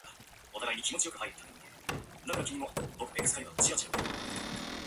Today the town is mostly residential, with some farming and cranberry farming.